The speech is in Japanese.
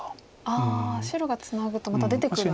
ああ白がツナぐとまた出てくる味が。